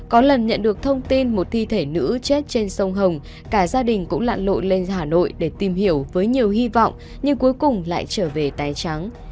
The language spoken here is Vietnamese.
có lần nhận được thông tin một thi thể nữ chết trên sông hồng cả gia đình cũng lặn lộn lên hà nội để tìm hiểu với nhiều hy vọng nhưng cuối cùng lại trở về tay trắng